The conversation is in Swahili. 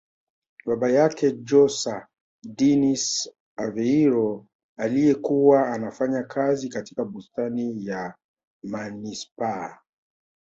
Baba yake JosÃ Dinis Aveiro aliye kuwa anafanya kazi katika bustani ya manispaa